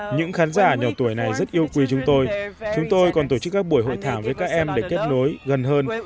những khán giả nhỏ tuổi này rất yêu quý chúng tôi chúng tôi còn tổ chức các buổi hội thảo với các em để kết nối gần hơn